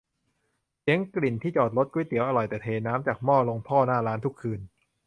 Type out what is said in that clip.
เสียง กลิ่น ที่จอดรถ ก๋วยเตี๋ยวอร่อยแต่เทน้ำจากหม้อลงท่อหน้าร้านทุกคืน